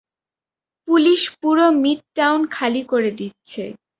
Police পুরো midtown খালি করে দিচ্ছে।